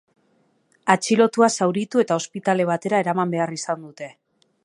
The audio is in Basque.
Atxilotua zauritu eta ospitale batera eraman behar izan dute.